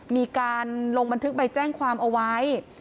มีการลงบันทึกใบแจ้งความเอาไว้